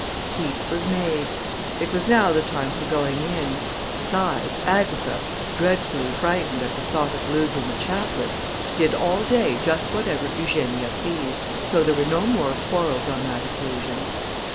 Peace was made. It was now the time for going in; besides, Agatha, dreadfully frightened at the thought of losing the chaplet, did all day just whatever Eugenia pleased; so there were no more quarrels on that occasion.